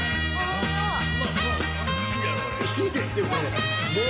いいですよこれ。